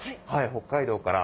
北海道から！